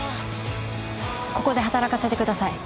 ここで働かせてください。